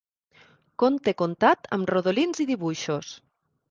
Conte contat amb rodolins i dibuixos.